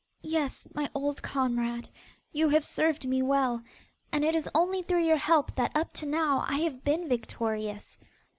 'Yes, my old comrade, you have served me well; and it is only through your help that up to now I have been victorious.